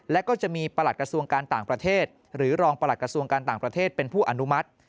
และก็จะมีประหลัดกระทรวงการต่างประเทศหรือรองประหลัดกระทรวงการต่างประเทศเป็นผู้อนุมัติ